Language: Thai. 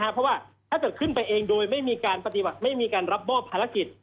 เพราะว่าถ้าเกิดขึ้นไปเองโดยไม่มีการรับบ้อภารกิจ